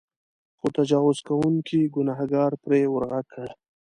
خو تجاوز کوونکي ګنهکار پرې ورغږ کړ.